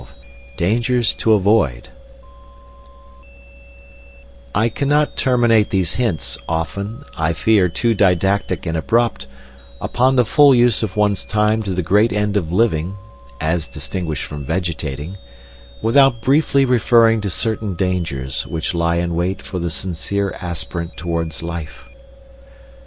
XII DANGERS TO AVOID I cannot terminate these hints, often, I fear, too didactic and abrupt, upon the full use of one's time to the great end of living (as distinguished from vegetating) without briefly referring to certain dangers which lie in wait for the sincere aspirant towards life.